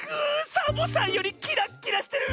サボさんよりキラッキラしてる！